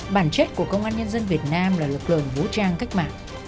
bản chất của công an nhân dân việt nam là lực lượng vũ trang cách mạng